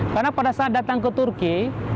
karena pada saat datang ke turki